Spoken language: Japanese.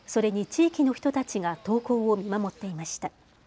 地域の人たちが登校を見守っていました。